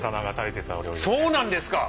そうなんですか！